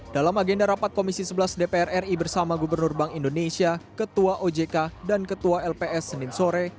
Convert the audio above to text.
dalam agenda rapat komisi sebelas dpr ri bersama gubernur bank indonesia ketua ojk dan ketua lps senin sore